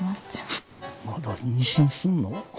フッまだ妊娠すんの？